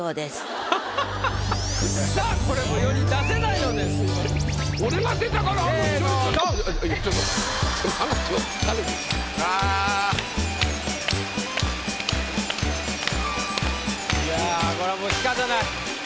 いやこれはもうしかたない。